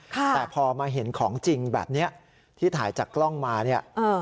แต่พอมาเห็นของจริงแบบนี้ที่ถ่ายจากกล้องมาเนี่ย